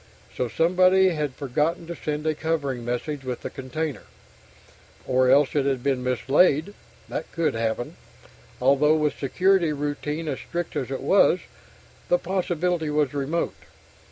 So somebody had forgotten to send a covering message with the container, or else it had been mislaid that could happen, although with security routine as strict as it was, the possibility was remote.